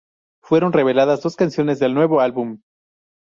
Fueron reveladas dos canciones del nuevo álbum.